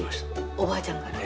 おばあちゃんから？